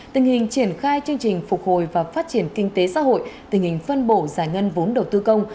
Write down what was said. tình hình triển khai chương trình phục hồi và phát triển kinh tế xã hội tình hình phân bổ giải ngân vốn đầu tư công